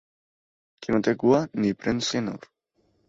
Que no té cua ni pren cianur.